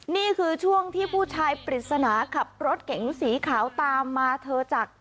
นี่คือช่วงที่ผู้ชายปริศนาขับรถเก๋งสีขาวตามมาเธอจาก